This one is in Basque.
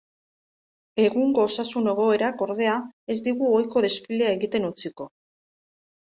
Egungo osasun egoerak, ordea, ez digu ohiko desfilea egiten utziko.